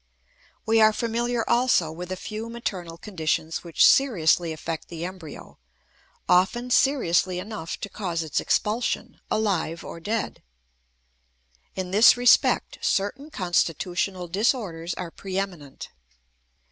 We are familiar also with a few maternal conditions which seriously affect the embryo, often seriously enough to cause its expulsion, alive or dead. In this respect, certain constitutional disorders are preeminent.